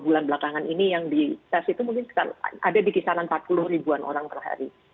satu dua bulan belakangan ini yang dites itu mungkin ada di kisaran empat puluh ribuan orang per hari